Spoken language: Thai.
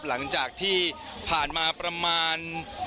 หลังจากที่ผ่านมาประมาณ